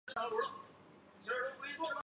广场部分跨越丽都运河。